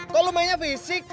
kalo mainnya fisik